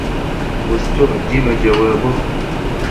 وَاسْتُعْجِمَ جَوَابُهُ